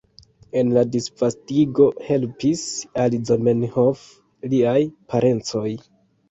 En la disvastigo helpis al Zamenhof liaj parencoj.